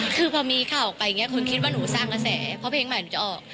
คือพอมีข่าวออกไปอย่างนี้คุณคิดว่าหนูสร้างกระแสเพราะเพลงใหม่หนูจะออก